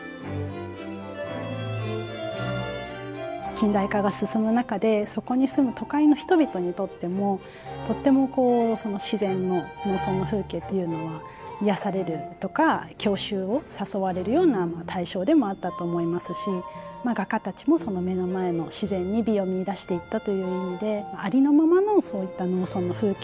近代化が進む中でそこに住む都会の人々にとってもとってもこう自然の農村の風景というのは癒やされるとか郷愁を誘われるような対象でもあったと思いますし画家たちもその目の前の自然に美を見いだしていったという意味でありのままのそういった農村の風景ですとか